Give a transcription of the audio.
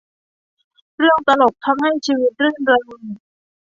เรื่องตลก ทำให้ชีวิตรื่นเริง